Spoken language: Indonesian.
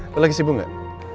lo lagi sibuk gak